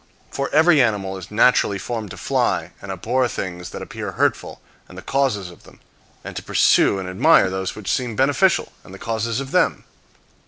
For every animal is naturally formed to fly and abhor things that appear hurtful, and the causes of them; and to pursue and admire those which appear beneficial, and the causes of them.